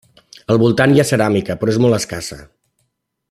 Al voltant hi ha ceràmica, però és molt escassa.